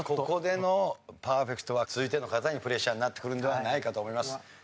ここでのパーフェクトは続いての方にプレッシャーになってくるんではないかと思います。